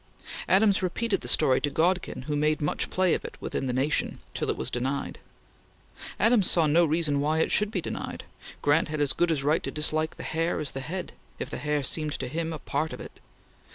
Adams repeated the story to Godkin, who made much play with it in the Nation, till it was denied. Adams saw no reason why it should be denied. Grant had as good a right to dislike the hair as the head, if the hair seemed to him a part of it.